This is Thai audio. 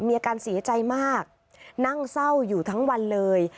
มีอาการเสียใจมากนั่งเศร้าอยู่ทั้งวันเลย